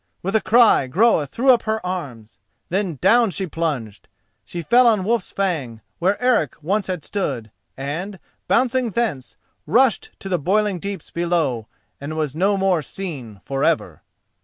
With a cry Groa threw up her arms. Then down she plunged. She fell on Wolf's Fang, where Eric once had stood and, bouncing thence, rushed to the boiling deeps below and was no more seen for ever.